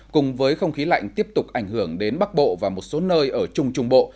cùng với không khí lạnh tiếp tục ảnh hưởng đến bắc bộ và một số nơi ở trung trung bộ